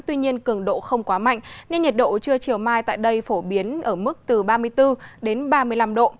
tuy nhiên cường độ không quá mạnh nên nhiệt độ trưa chiều mai tại đây phổ biến ở mức từ ba mươi bốn đến ba mươi năm độ